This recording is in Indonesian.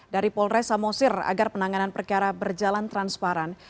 dari polresa mosir agar penanganan perkara berjalan transparan